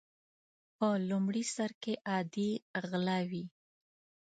په لومړي سر کې عادي غله وي.